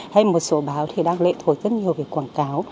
hay một số báo thì đang lệ thuộc rất nhiều về quảng cáo